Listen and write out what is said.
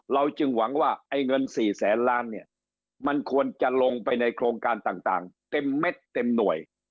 จึงหวังว่าไอ้เงิน๔แสนล้านเนี่ยมันควรจะลงไปในโครงการต่างเต็มเม็ดเต็มหน่วย